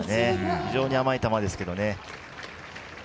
非常に甘い球ですけどね。